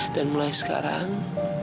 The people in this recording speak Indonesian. dan mulai sekarang